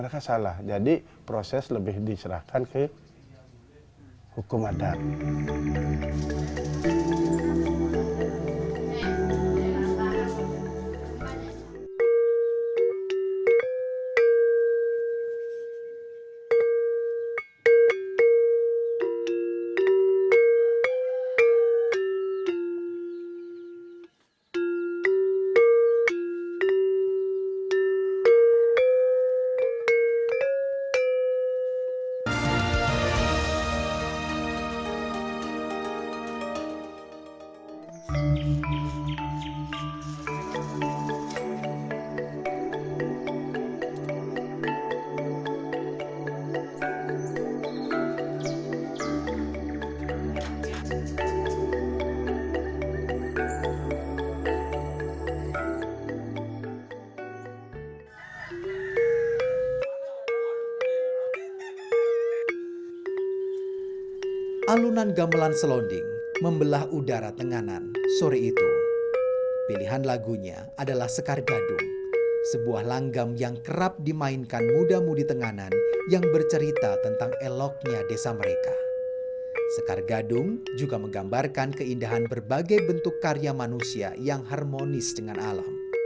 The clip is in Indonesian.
kami belum pernah terjadi pertentangan antara hukum adat dan hukum nasional